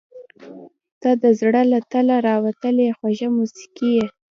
• ته د زړه له تله راوتلې خوږه موسیقي یې.